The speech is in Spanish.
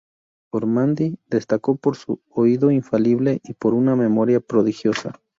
Ormandy destacó por su oído infalible y por una memoria prodigiosa.